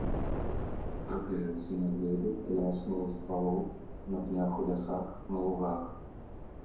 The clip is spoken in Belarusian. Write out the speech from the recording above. Трапляюцца на глебе, каля асновы ствалоў, на пнях у лясах, на лугах.